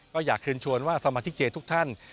ก็อยากเชิญชวนว่าสมาชิกเจทุกท่าน